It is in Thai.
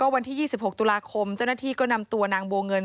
วันที่๒๖ตุลาคมเจ้าหน้าที่ก็นำตัวนางบัวเงิน